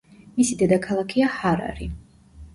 მისი დედაქალაქია ჰარარი.